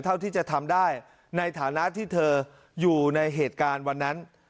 เท่าที่จะทำได้ในฐานะที่เธออยู่ในเหตุการณ์วันนั้น